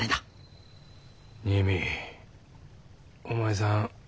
お前さん